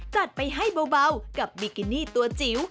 จัดไปให้เบากับบิกินี่ตัวจิ๋ว